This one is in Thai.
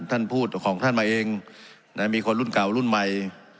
ท่านพูดของท่านมาเองนะมีคนรุ่นเก่ารุ่นใหม่